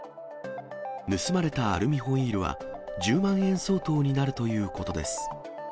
盗まれたアルミホイールは、１０万円相当になるということです。